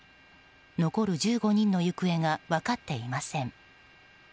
残る１５人の行方が分かっていません。